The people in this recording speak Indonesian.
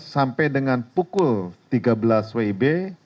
sampai dengan pukul tiga belas wib